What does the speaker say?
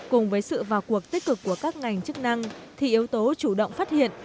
cùng với sự vào cuộc tích cực của các ngành chức năng thì yếu tố chủ động phát hiện